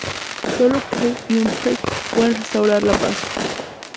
Sólo Kate y Humphrey pueden restaurar la paz.